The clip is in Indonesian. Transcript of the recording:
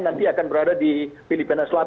nanti akan berada di filipina selatan